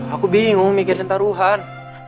aku bingung mikirin taruhan